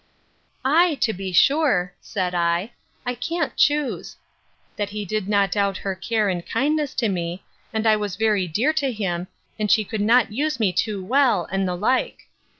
Ay, to be sure, said I, I can't choose—That he did not doubt her care and kindness to me: that I was very dear to him, and she could not use me too well; and the like.